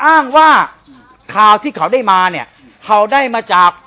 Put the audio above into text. อ้างว่าข่าวที่เขาได้มาเนี่ยเขาได้มาจาก